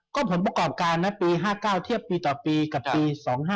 ก็ผลประกอบการนะปี๕๙เทียบปีต่อปีกับปี๒๕๖